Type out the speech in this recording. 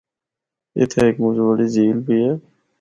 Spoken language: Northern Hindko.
اِتھا ہک مُچ بڑی جھیل بھی ہے۔